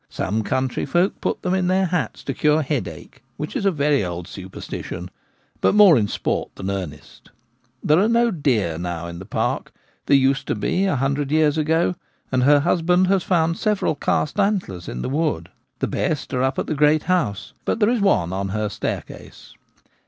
Some country folk put them in their hats to cure headache, ivbich is a very old superstition ; but more in sport than earnest There are no deer now in the park. There used to be a hundred years ago, and her hus band has found several cast antlers in the wood. The best are up at the great house, but there is one on her staircase.